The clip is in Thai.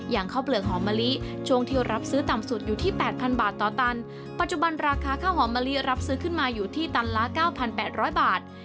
ข้าวเปลือกหอมมะลิช่วงที่รับซื้อต่ำสุดอยู่ที่๘๐๐บาทต่อตันปัจจุบันราคาข้าวหอมมะลิรับซื้อขึ้นมาอยู่ที่ตันละ๙๘๐๐บาท